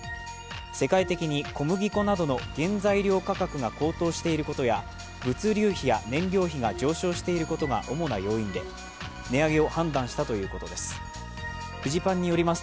世界的に小麦粉などの原材料価格が高騰していることや、物流費や燃料費が上昇していることが主な要因で値上げを判断したということです。